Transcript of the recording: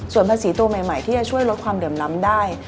ส่วนภาษีตัวใหม่ที่จะช่วยลดความเหลื่อมล้ำได้